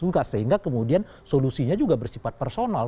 juga sehingga kemudian solusinya juga bersifat personal